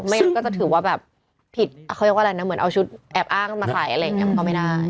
อย่างนั้นก็จะถือว่าแบบผิดเขาเรียกว่าอะไรนะเหมือนเอาชุดแอบอ้างมาขายอะไรอย่างนี้มันก็ไม่ได้